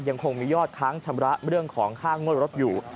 ยังคงมียอดค้างชำระเรื่องของค่างวดรถอยู่